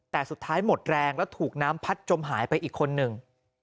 แต่สุดท้ายหมดแรงแล้วถูกน้ำพัดจมหายไปอีกคนนึง